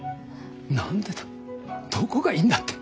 何でだどこがいいんだって。